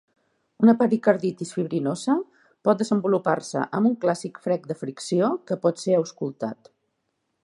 Una pericarditis fibrinosa pot desenvolupar-se amb un clàssic frec de fricció que pot ser auscultat.